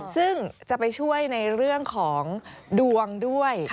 ซึ่งจะไปช่วยในเรื่องของดวงด้วย